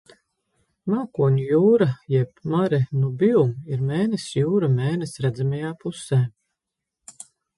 Mākoņu jūra jeb Mare Nubium ir Mēness jūra Mēness redzamajā pusē.